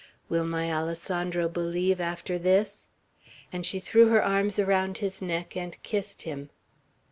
Will my Alessandro believe after this?" and she threw her arms around his neck and kissed him.